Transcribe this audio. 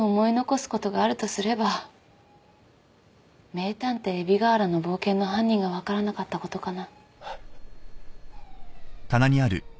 『名探偵海老河原の冒険』の犯人が分からなかったことかな。